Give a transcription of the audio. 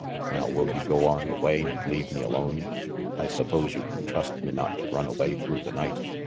Now, will you go on away and leave me alone. I suppose you can trust me not to run away through the night.